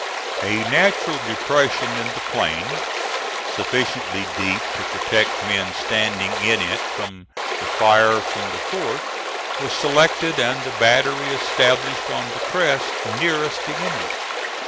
A natural depression in the plain, sufficiently deep to protect men standing in it from the fire from the fort, was selected and the battery established on the crest nearest the enemy.